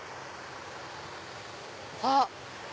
あっ！